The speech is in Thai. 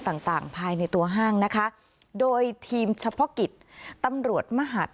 ต่างต่างภายในตัวห้างนะคะโดยทีมเฉพาะกิจตำรวจมหาด